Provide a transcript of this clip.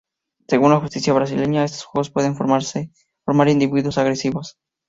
Según la justicia brasileña, estos juegos "pueden formar individuos agresivos".